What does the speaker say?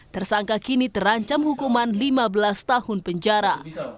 tersangka kini terancam hukuman lima belas tahun penjara